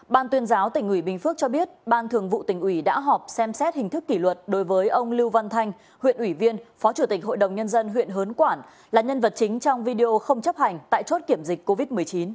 ban tuyên giáo tỉnh ủy bình phước cho biết ban thường vụ tỉnh ủy đã họp xem xét hình thức kỷ luật đối với ông lưu văn thanh huyện ủy viên phó chủ tịch hội đồng nhân dân huyện hớn quản là nhân vật chính trong video không chấp hành tại chốt kiểm dịch covid một mươi chín